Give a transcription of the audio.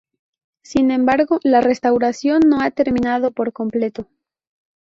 Sin embargo, la restauración no ha terminado por completo.